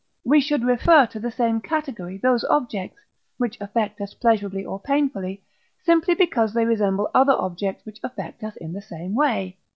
We should refer to the same category those objects, which affect us pleasurably or painfully, simply because they resemble other objects which affect us in the same way.